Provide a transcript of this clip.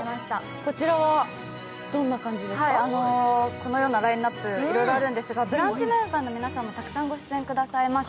このようなラインナップいろいろあるんですが「ブランチ」メンバーの皆さんもたくさんご出演いただきます。